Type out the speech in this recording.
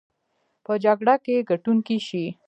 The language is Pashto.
په جګړه کې ګټونکي شي.